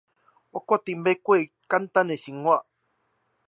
我決定簡單的生活